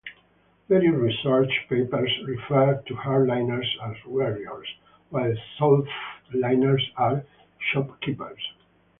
Various research papers refer to hard-liners as warriors, while soft-liners are shopkeepers.